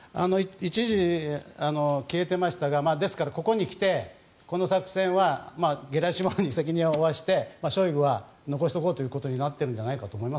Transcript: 一時、消えていましたがですから、ここに来てこの作戦はゲラシモフに責任を負わせてショイグは残しておこうということになっているのかと。